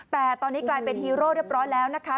แต่ตอนนี้กลายเป็นฮีโร่เรียบร้อยแล้วนะคะ